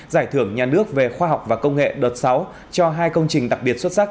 giải thưởng nhà nước về khoa học và công nghệ đợt sáu cho hai công trình đặc biệt xuất sắc